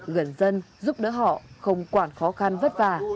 gần dân giúp đỡ họ không quản khó khăn vất vả